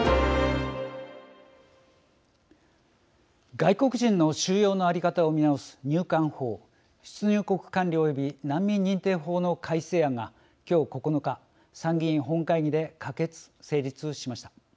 外国人の収容の在り方を見直す入管法出入国管理および難民認定法の改正案が今日９日、参議院本会議で可決・成立しました。